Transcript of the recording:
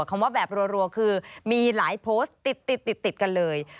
คำว่าแบบรัวคือมีหลายโพสต์ติดติดกันเลย